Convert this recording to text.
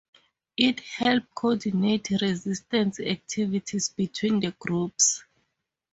It help coordinate resistance activities between the groups.